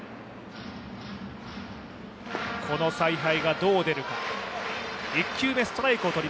この采配がどう出るか。